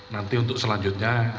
nanti untuk selanjutnya